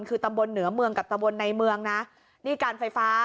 คือตำบลเหนือเมืองกับตำบลในเมืองนะนี่การไฟฟ้า